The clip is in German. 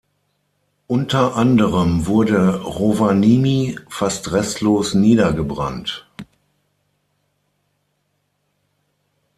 Unter anderem wurde Rovaniemi fast restlos niedergebrannt.